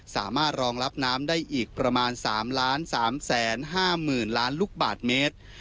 สามารถรองรับน้ำได้อีกประมาณ๓๓๕๐๐๐ล้านลูกบาทเมตร